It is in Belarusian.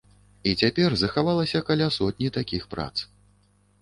І цяпер захавалася каля сотні такіх прац.